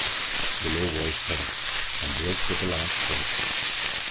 The low voice paused, and broke with the last word.